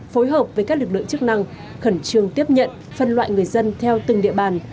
phối hợp với các lực lượng chức năng khẩn trương tiếp nhận phân loại người dân theo từng địa bàn